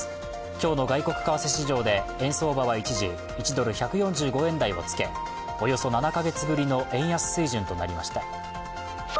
今日の外国為替市場で円相場は一時１ドル＝１４５円台をつけ、およそ７か月ぶりの円安水準となりました。